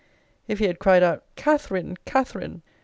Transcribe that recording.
If he had cried out _Catherine! Catherine!